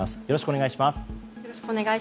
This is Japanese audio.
よろしくお願いします。